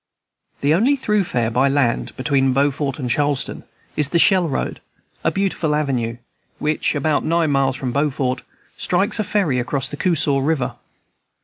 The only thoroughfare by land between Beaufort and Charleston is the "Shell Road," a beautiful avenue, which, about nine miles from Beaufort, strikes a ferry across the Coosaw River.